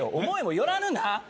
「思いも寄らぬ」な！